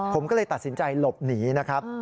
ผมก็เลยตัดสินใจหลบหนีนะครับ